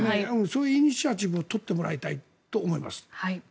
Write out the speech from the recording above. そういうイニシアチブを取ってもらいたいと思います。